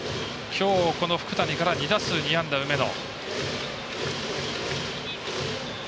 きょう、この福谷から２打数２安打、梅野。